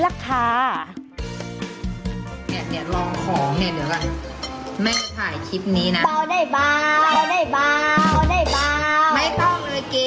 สบัดข่าวเด็ก